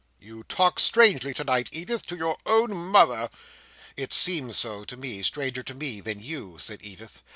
"You talk strangely tonight, Edith, to your own Mother." "It seems so to me; stranger to me than you," said Edith.